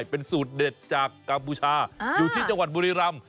เป็นสูตรเด็ดจากกัมพูชาอยู่ที่จังหวัดบุรีรำ